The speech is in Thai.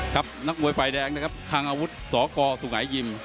ครับนักมวยฝ่ายแดงครับทางอาวุธสกสุหายิม